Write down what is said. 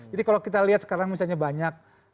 jadi kalau kita lihat sekarang misalnya banyak